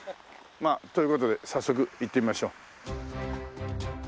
まあという事で早速行ってみましょう。